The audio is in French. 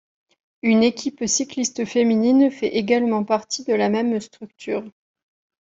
Une équipe cycliste féminine fait également partie de la même structure.